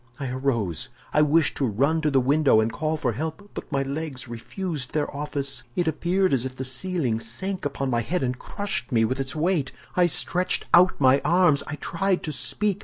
I arose. I wished to run to the window and call for help, but my legs refused their office. It appeared as if the ceiling sank upon my head and crushed me with its weight. I stretched out my arms. I tried to speak.